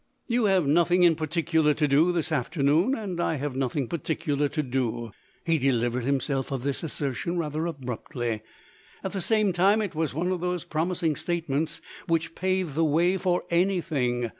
"You have nothing in particular to do, this afternoon; and I have nothing particular to do." He delivered himself of this assertion rather abruptly. At the same time, it was one of those promising statements which pave the way for anything.